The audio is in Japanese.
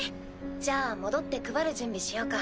じゃあ戻って配る準備しようか。